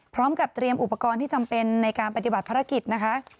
พร้อมกับเตรียมอุปกรณ์ที่จำเป็นในการปฏิบัติภารกิจนะคะ